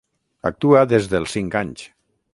Actua des dels cinc anys.